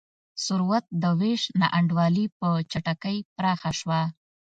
ثروت د وېش نا انډولي په چټکۍ پراخه شوه.